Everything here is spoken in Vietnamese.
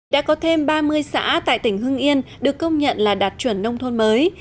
đã có thêm ba mươi xã tại tỉnh hưng yên được công nhận là đạt chuẩn nông thôn mới